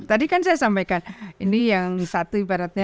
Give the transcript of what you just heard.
tadi kan saya sampaikan ini yang satu ibaratnya